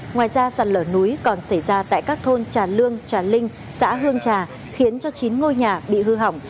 ngoài ra sạt lở núi còn xảy ra tại các thôn trà lương trà linh xã hương trà khiến cho chín ngôi nhà bị hư hỏng